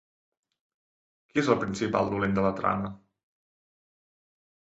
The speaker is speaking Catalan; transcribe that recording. Qui és el principal dolent de la trama?